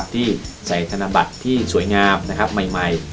ที่ใส่คณะบัตรที่สวยงามใหม่